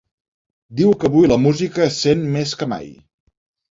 Diu que avui la música es sent més que mai.